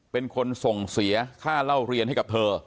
เป็นคนส่งเสียค่าเล่าเรียนให้กับเธอ